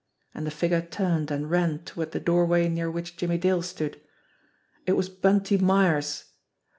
And the figure turned and ran toward the doorway near which Jimmie Dale stood. It was Bunty Myers.